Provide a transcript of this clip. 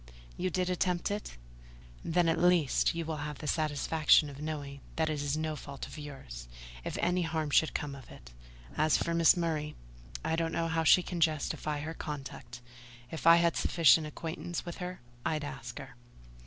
"You did attempt it? Then, at least, you will have the satisfaction of knowing that it is no fault of yours, if any harm should come of it. As for Mrs. Murray, I don't know how she can justify her conduct: if I had sufficient acquaintance with her, I'd ask her."